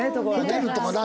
ホテルとかな